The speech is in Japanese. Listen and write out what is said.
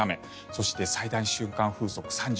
そして、最大瞬間風速３５ｍ。